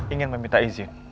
ingin meminta izin